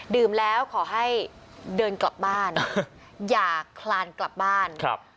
ดื่มแล้วขอให้เดินกลับบ้านอย่าคลานกลับบ้านครับ